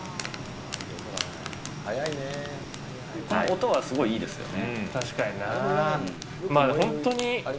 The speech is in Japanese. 音はすごいいいですよね。